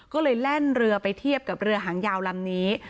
ก็เลยแล่นเรือไปเทียบกับเรือหางยาวลำนี้